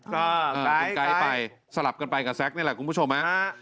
คุณไก๊ไปสลับกันไปกับแซ็คนี่แหละคุณผู้ชม